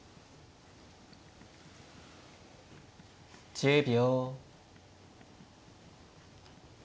１０秒。